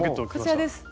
こちらです！